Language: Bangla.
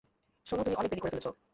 শোন, তুমি অনেক দেরি করে ফেলেছ।